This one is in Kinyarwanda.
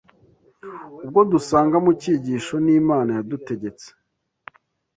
ubwo dusanga mu cyigisho n’Imana yadutegetse